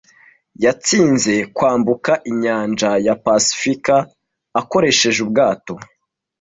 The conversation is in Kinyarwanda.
Yatsinze kwambuka inyanja ya pasifika akoresheje ubwato.